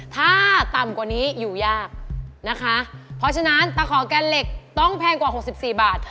ถ้าต่ำกว่านี้อยู่ยากนะคะเพราะฉะนั้นตะขอแกนเหล็กต้องแพงกว่าหกสิบสี่บาท